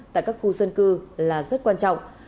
tại các khu dân cư là rất quan trọng